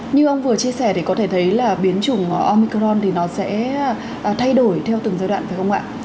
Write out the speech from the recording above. như ông vừa chia sẻ thì có thể thấy là biến chủng omicron thì nó sẽ thay đổi theo từng giai đoạn phải không ạ